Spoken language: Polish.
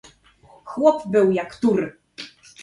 "Chłop był jak tur."